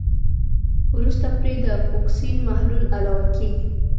وروسته پرې د فوکسین محلول علاوه کیږي.